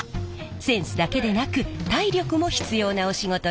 センスだけでなく体力も必要なお仕事です。